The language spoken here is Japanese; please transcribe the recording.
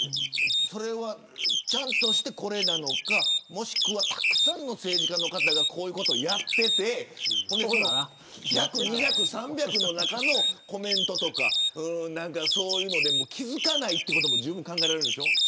それは、ちゃんとしてこれなのかもしくはたくさんの政治家の方がこういうことをやっていて１００、２００、３００の中のコメントとかそういうので気付かないこともじゅうぶん考えられるでしょう。